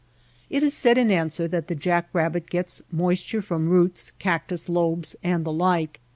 It is said in answer that the jack rabbit gets moisture from roots, cactus lobes and the like.